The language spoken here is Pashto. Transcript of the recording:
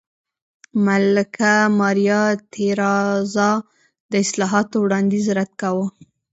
ملکه ماریا تېرازا د اصلاحاتو وړاندیز رد کاوه.